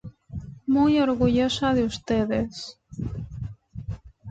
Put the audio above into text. Muy orgullosa de ustedes.